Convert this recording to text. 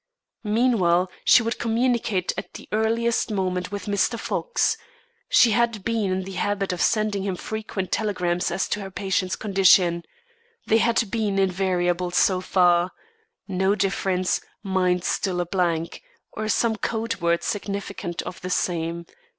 Meanwhile, she would communicate at the earliest moment with Mr. Fox. She had been in the habit of sending him frequent telegrams as to her patient's condition. They had been invariable so far: "No difference; mind still a blank," or some code word significant of the same.